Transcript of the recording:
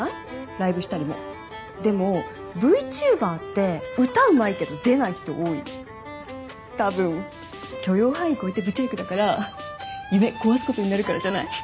ライブしたりもでもＶＴｕｂｅｒって歌うまいけど出ない人多い多分許容範囲超えてブチャイクだから夢壊すことになるからじゃない？